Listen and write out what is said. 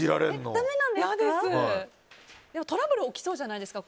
トラブル起きそうじゃないですか。